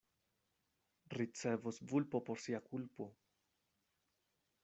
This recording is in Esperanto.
Ricevos vulpo por sia kulpo.